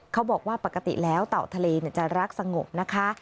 เขาบอกว่าปกติแล้วเต่าทะเลจะรักสงบนะคะ